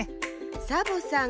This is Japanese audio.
サボさん